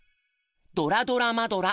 「ドラドラマドラ！